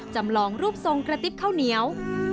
จำลองรูปทรงกระติ๊บข้าวเหนียว